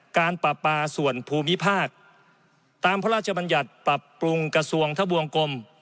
การปราปาส่วนภูมิภาคตามพระราชบัญญัติปรับปรุงกระทรวงทะบวงกลม